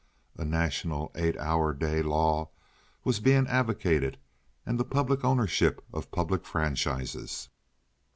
A national eight hour day law was being advocated, and the public ownership of public franchises.